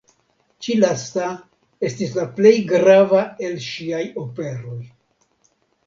Ĉi lasta estis la plej grava el ŝiaj operoj.